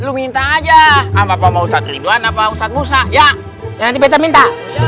lu minta aja sama pak ustadz ridwan atau pak ustadz musa ya nanti beta minta